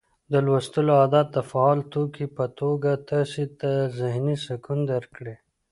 د لوستلو عادت د فعال توکي په توګه تاسي ته ذهني سکون درکړي